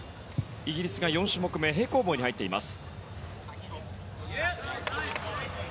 イギリスが４種目めの平行棒に入っています。